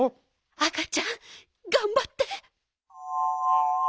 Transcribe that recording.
あかちゃんがんばって！